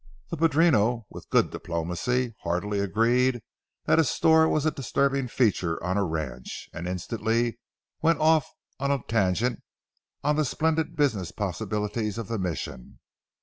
'" The padrino, with good diplomacy, heartily agreed that a store was a disturbing feature on a ranch, and instantly went off on a tangent on the splendid business possibilities of the Mission.